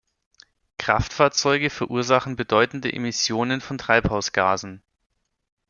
Kraftfahrzeuge verursachen bedeutende Emissionen von Treibhausgasen.